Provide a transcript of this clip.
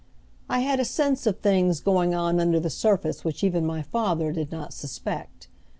I had a sense of things going on under the surface which even my father did not suspect.